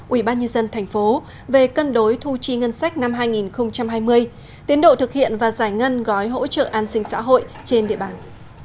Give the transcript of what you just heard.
ủy ban nhân dân thành phố về cân đối thu chi ngân sách năm hai nghìn hai mươi tiến độ thực hiện và giải ngân gói hỗ trợ an sinh xã hội trên địa bàn